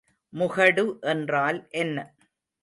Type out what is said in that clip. முகடு என்றால் என்ன?